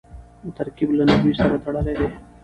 ترکیب له نحوي سره تړلی دئ.